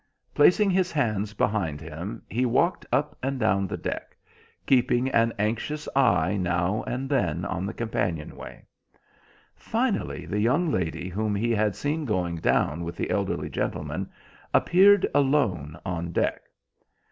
Placing his hands behind him he walked up and down the deck, keeping an anxious eye now and then on the companion way. Finally, the young lady whom he had seen going down with the elderly gentleman appeared alone on deck.